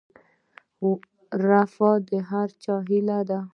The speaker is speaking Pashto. رفاه د هر چا هیله ده